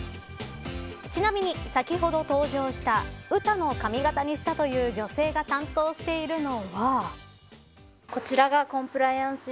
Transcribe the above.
ちなみに、先ほど登場したＵＴＡの髪型にしたという女性が担当しているのは。